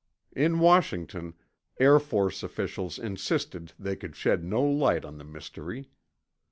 In Washington, Air Force officials insisted they could shed no light on the mystery.